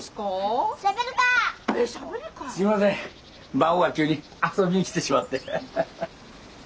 すいません孫が急に遊びに来てしまって。